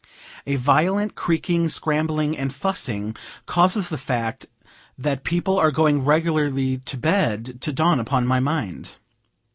A violent creaking, scrambling, and fussing, causes the fact that people are going regularly to bed to dawn upon my mind.